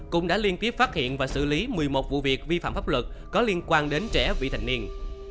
cũng đã liên tiếp phát hiện và xử lý một mươi một vụ việc vi phạm pháp luật có liên quan đến trẻ vị thành niên